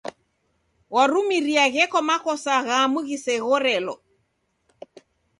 Warumirie gheko makosa ghamu ghiseghorelo.